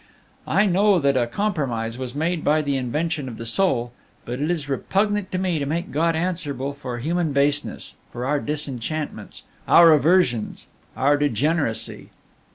I know that a compromise was made by the invention of the Soul; but it is repugnant to me to make God answerable for human baseness, for our disenchantments, our aversions, our degeneracy.